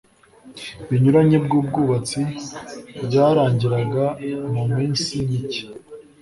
binyuranye by ubwubatsi byarangiraga mu minsi mike